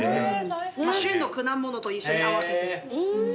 旬の果物と一緒に合わせて。